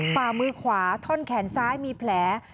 ฝ่ามือขวาท่อนแขนซ้ายมีแผล